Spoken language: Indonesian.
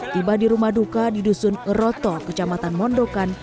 tiba di rumah duka di dusun eroto kecamatan mondokan